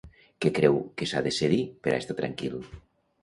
Què creu que s'ha de cedir per a estar tranquil?